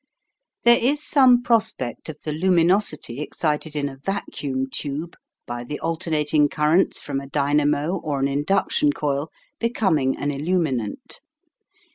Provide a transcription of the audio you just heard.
There is some prospect of the luminosity excited in a vacuum tube by the alternating currents from a dynamo or an induction coil becoming an illuminant.